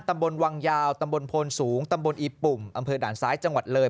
ตำบลวังยาวตำบลโพนสูงตำบลอีปุ่มอำเภอด่านซ้ายจังหวัดเลย